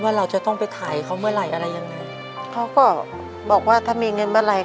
เราจะต้องไปถ่ายเขาเมื่อไหร่อะไรยังไงเขาก็บอกว่าถ้ามีเงินเมื่อไหร